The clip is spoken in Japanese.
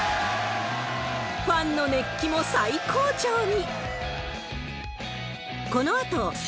ファンの熱気も最高潮に。